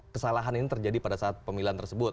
kesalahan ini terjadi pada saat pemilihan tersebut